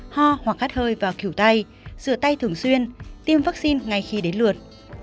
ho hoặc hát hơi và cửu tay rửa tay thường xuyên tiêm vaccine ngay khi đến lượt